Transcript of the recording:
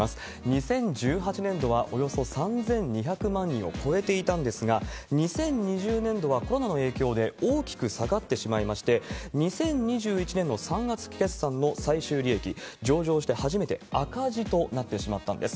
２０１８年度はおよそ３２００万人を超えていたんですが、２０２０年度はコロナの影響で大きく下がってしまいまして、２０２１年の３月期決算の最終利益、上場して初めて赤字となってしまったんです。